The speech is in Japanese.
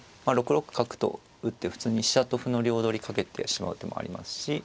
６六角と打って普通に飛車と歩の両取りかけてしまう手もありますし。